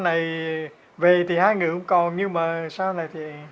nhưng mà sau này thì